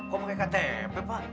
kok pakai ktp pak